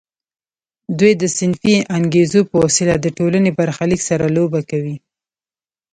دوی د صنفي انګیزو په وسیله د ټولنې برخلیک سره لوبې کوي